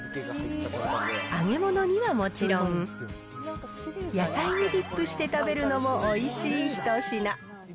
揚げ物にはもちろん、野菜にディップして食べるのもおいしい一品。